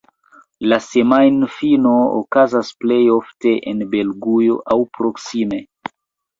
La semajnfino okazas plej ofte en Belgujo aŭ proksime.